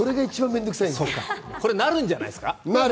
これはなるんじゃないですか？